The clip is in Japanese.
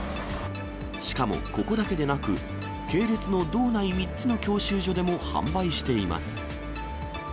しかも、ここだけでなく、系列の道内３つの教習所でも販売しています。